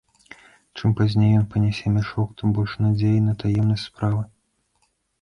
Чым пазней ён панясе мяшок, тым больш надзеі на таемнасць справы.